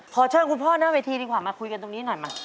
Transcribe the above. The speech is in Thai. ขอเชิญคุณพ่อหน้าเวทีดีกว่ามาคุยกันตรงนี้หน่อยมา